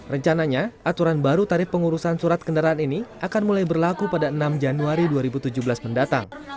rencananya aturan baru tarif pengurusan surat kendaraan ini akan mulai berlaku pada enam januari dua ribu tujuh belas mendatang